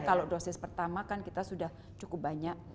kalau dosis pertama kan kita sudah cukup banyak